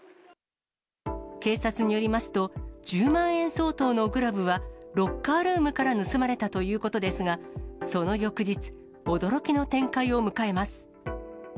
警察によりますと、１０万円相当のグラブは、ロッカールームから盗まれたということですが、その翌日、驚きの展開を迎えます。